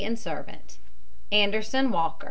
and servant. ANDERSON, WALKER.